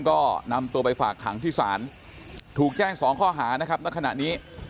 ก็นำตัวไปฝากขังที่ศาลถูกแจ้ง๒ข้อหานะครับณขณะนี้